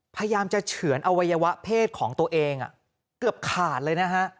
พยายามจะเฉือนอวัยวะเพศของตัวเองเกือบขาดเลยนะฮะ